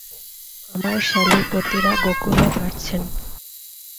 আমার শ্যালীপতিরা গোকুলে বাড়ছেন।